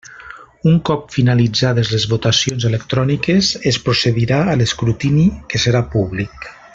Un cop finalitzades les votacions electròniques, es procedirà a l'escrutini, que serà públic.